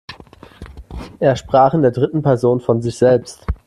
Er sprach in der dritten Person von sich selbst.